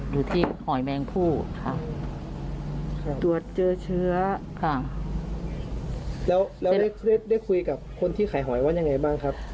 อยู่ที่หอยแมงผู้ค่ะตรวจเจอเชื้อค่ะแล้วแล้วได้ได้คุยกับคนที่ขายหอยว่ายังไงบ้างครับ